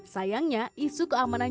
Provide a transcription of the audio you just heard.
sayangnya isu keamanan